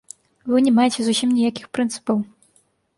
Вы не маеце зусім ніякіх прынцыпаў.